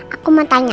aku mau tanya